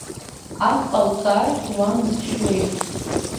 Ас ҟоуҵар, уан дысшьуеит!